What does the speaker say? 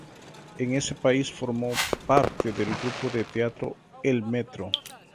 En ese país formó parte del grupo de teatro "El Metro".